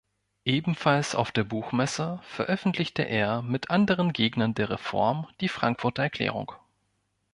Ebenfalls auf der Buchmesse veröffentlichte er mit anderen Gegnern der Reform die Frankfurter Erklärung.